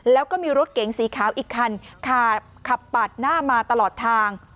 แล้วก็มีรถเก๋งสีขาวอีกคันขับปาดหน้ามาตลอดทาง